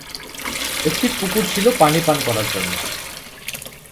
একটি পুকুর ছিল পানি পান করার জন্য।